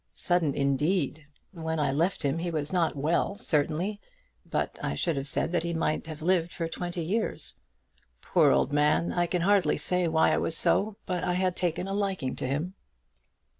"Sudden indeed. When I left him he was not well, certainly, but I should have said that he might have lived for twenty years. Poor old man! I can hardly say why it was so, but I had taken a liking to him."